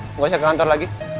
nggak usah ke kantor lagi